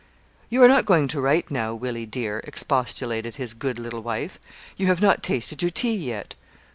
'You are not going to write now, Willie, dear?' expostulated his good little wife, 'you have not tasted your tea yet.'